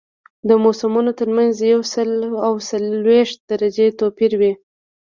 د موسمونو ترمنځ یو سل او څلوېښت درجې توپیر وي